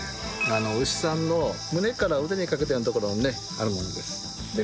牛さんの胸から腕にかけての所にあるものです。